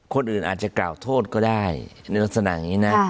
คนอื่นอาจจะกล่าวโทษก็ได้ในลักษณะอย่างนี้นะ